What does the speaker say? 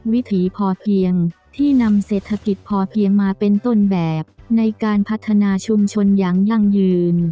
วิถีพอเพียงที่นำเศรษฐกิจพอเพียงมาเป็นต้นแบบในการพัฒนาชุมชนอย่างยั่งยืน